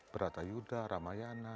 berata yuda ramayana